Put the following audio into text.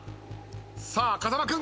さあ風間君。